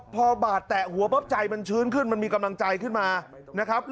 พอบาดแตะหัวปั๊บใจมันชื้นขึ้นมันมีกำลังใจขึ้นมานะครับ